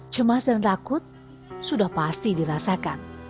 cemas dan takut sudah pasti dirasakan